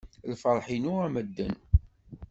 Lferḥ-inu a medden.